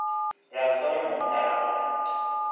رفتار محترمانه